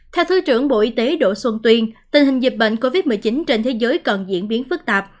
theo thứ trưởng bộ y tế đỗ xuân tuyên tình hình dịch bệnh covid một mươi chín trên thế giới còn diễn biến phức tạp